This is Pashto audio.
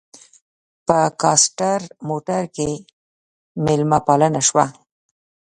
په کاسټر موټر کې مېلمه پالنه شوه.